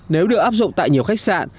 nếu được áp dụng tại nhiều khách sạn